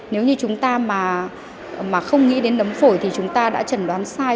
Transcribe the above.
nếu như chúng ta mà không nghĩ đến nấm phổi thì chúng ta đã trần đoán sai